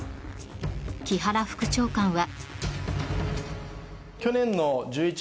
木原副長官は。